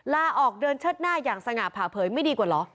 ลาออกเดินเชิดหน้าอย่างสง่าผ่าเผยไม่ดีกว่าเหรอ